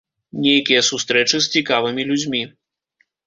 Нейкія сустрэчы з цікавымі людзьмі.